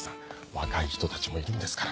若い人たちもいるんですから。